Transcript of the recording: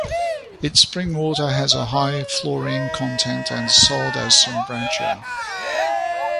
Its spring water has a high florine content and is sold as 'Sembrancher'.